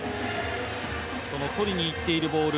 取りに行っているボール